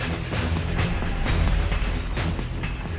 aku juga ing giant slime